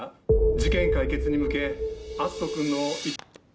事件解決に向け篤斗君の。